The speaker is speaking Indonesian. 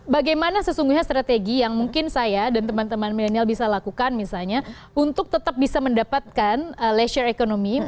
bagaimana sesungguhnya strategi yang mungkin saya dan teman teman milenial bisa lakukan misalnya untuk tetap bisa mendapatkan leisure economy